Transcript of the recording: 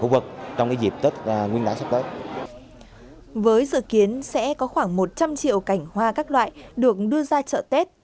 với dự kiến sẽ có khoảng một trăm linh triệu cảnh hoa các loại được đưa ra chợ tết